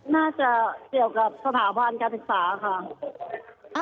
น่าจะเกี่ยวกับสถาบันการศึกษาค่ะ